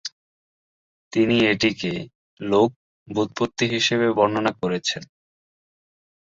তিনি এটিকে লোক ব্যুৎপত্তি হিসেবে বর্ণনা করেছেন।